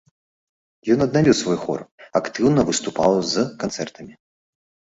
Ён аднавіў свой хор, актыўна выступаў з канцэртамі.